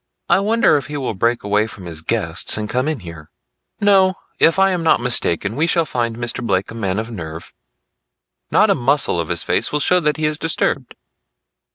"I wonder if he will break away from his guests and come in here?" "No; if I am not mistaken we shall find Mr. Blake a man of nerve. Not a muscle of his face will show that he is disturbed."